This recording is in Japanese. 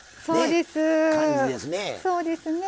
そうですね。